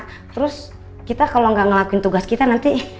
terus kita kalau nggak ngelakuin tugas kita nanti